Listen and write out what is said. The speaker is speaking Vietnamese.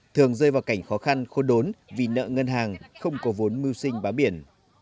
thường rơi vào cảnh khó khăn khô đốn vì nợ ngân hàng không có vốn mưu sinh bá biển